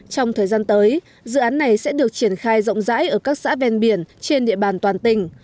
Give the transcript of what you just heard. trong thời gian tới dự án này sẽ được triển khai rộng rãi ở các xã ven biển trên địa bàn toàn tỉnh